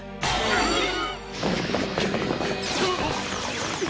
えっ？